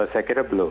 saya kira belum